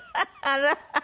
あら！